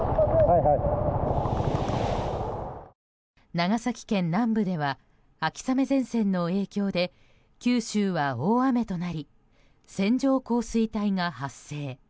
長崎県南部では秋雨前線の影響で九州は大雨となり線状降水帯が発生。